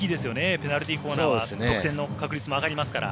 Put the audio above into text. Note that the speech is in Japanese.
ペナルティーコーナーは得点の確率も上がりますから。